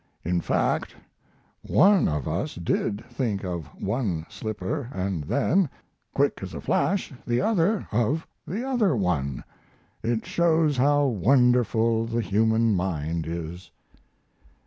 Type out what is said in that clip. In fact, one of us did think of one slipper, and then, quick as a flash, the other of the other one. It shows how wonderful the human mind is....